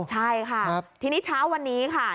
ใช่ค่ะทีนี้เช้าวันนี้ค่ะ